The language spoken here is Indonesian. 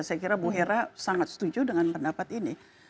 saya kira bu hera sangat setuju dengan pendapat ini